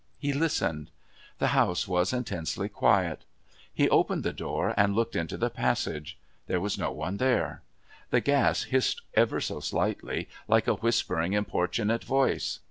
He listened. The house was intensely quiet. He opened the door and looked into the passage. There was no one there. The gas hissed ever so slightly, like a whispering importunate voice.